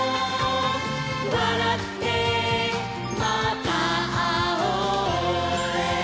「わらってまたあおう」